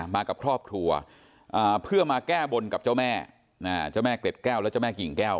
มากับครอบครัวเพื่อมาแก้บนกับเจ้าแม่